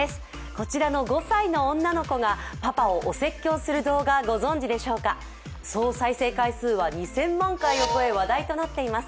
こちらの５歳の女の子がパパをお説教する動画、ご存じでしょうか総再生回数は２０００万回を超え話題となっています。